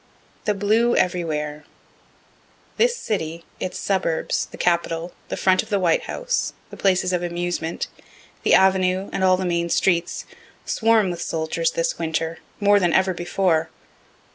THE BLUE EVERYWHERE This city, its suburbs, the capitol, the front of the White House, the places of amusement, the Avenue, and all the main streets, swarm with soldiers this winter, more than ever before.